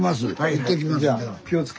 行ってきます。